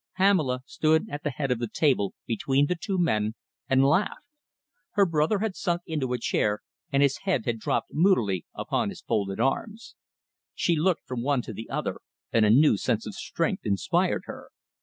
Pamela stood at the head of the table, between the two men, and laughed. Her brother had sunk into a chair, and his head had dropped moodily upon his folded arms. She looked from one to the other and a new sense of strength inspired her.